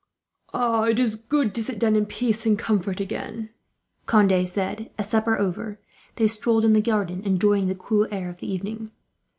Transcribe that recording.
"It is good to sit down in peace and comfort, again," Conde said as, supper over, they strolled in the garden, enjoying the cool air of the evening.